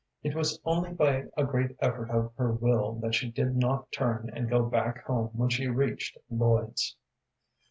It was only by a great effort of her will that she did not turn and go back home when she reached Lloyd's.